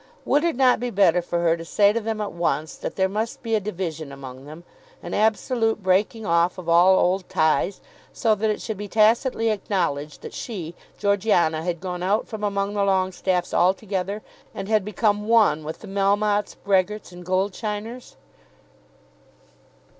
Would it not be better for her to say to them at once that there must be a division among them, an absolute breaking off of all old ties, so that it should be tacitly acknowledged that she, Georgiana, had gone out from among the Longestaffes altogether, and had become one with the Melmottes, Brehgerts, and Goldsheiners?